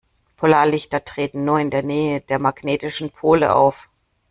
Polarlichter treten nur in der Nähe der magnetischen Pole auf.